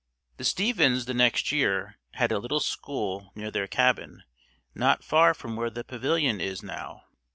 The Stevens' the next year had a little school near their cabin not far from where the pavilion is now.